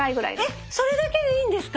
えっそれだけでいいんですか？